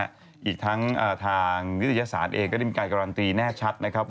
อีกทั้งทางนิตยสารเองก็ได้มีการการันตีแน่ชัดนะครับ